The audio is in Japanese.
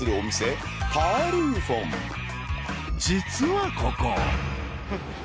［実はここ］